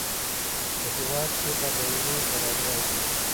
په هیواد کې به دایمي کراري راشي.